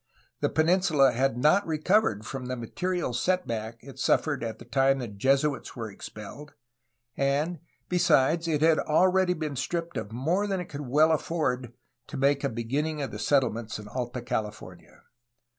The peninsula had not recovered from the material setback it suffered at the time the Jesuits were expelled, and, besides, it had already been stripped of more than it could well afford, to make a beginning of the settlements in Alta California.